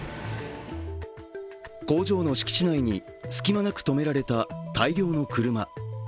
工場の敷地内に、隙間なく止められた大量の車。